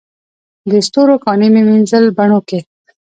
د ستورو کاڼي مې مینځل بڼوکي